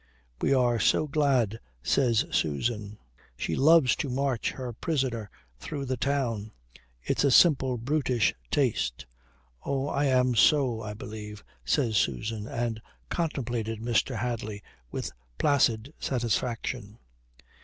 "We are so glad," says Susan. "She loves to march her prisoner through the town. It's a simple, brutish taste." "Oh. I am so, I believe," says Susan, and contemplated Mr. Hadley with placid satisfaction.